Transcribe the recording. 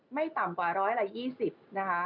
ไม่ต่ำกว่า๑๒๐นะคะ